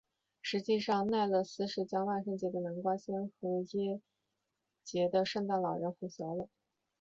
实际上奈勒斯是将万圣节的南瓜仙和耶诞节的圣诞老人混淆了。